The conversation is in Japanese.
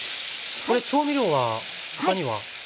これ調味料は他には？